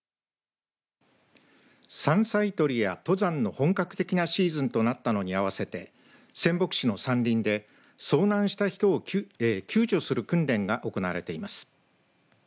山菜採りや登山の本格的のシーズンとなったのに併せて仙北市の山林で遭難した人を救助する訓練が行われています。